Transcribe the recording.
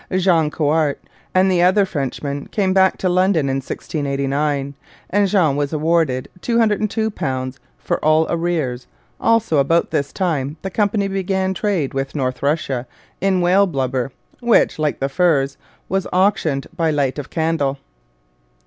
Jean Chouart and the other Frenchmen came back to London in 1689, and Jean was awarded £202 for all arrears. Also, about this time, the Company began trade with North Russia in whale blubber, which, like the furs, was auctioned by light of candle.